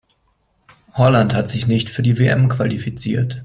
Holland hat sich nicht für die WM qualifiziert.